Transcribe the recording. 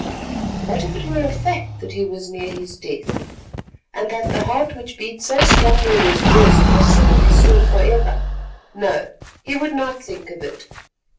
What if it were a fact that he was near his death, and that the heart which beat so strongly in his breast must soon be still for ever—no, he would not think of it.